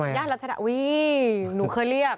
ย่านราชาวีหนูเคยเรียก